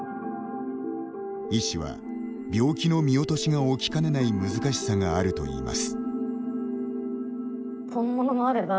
医師は病気の見落としが起きかねない難しさがあるといいます。